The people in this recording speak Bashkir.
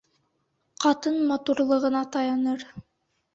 Ҡатын матурлығына таяныр.